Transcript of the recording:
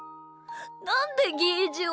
なんでゲージは。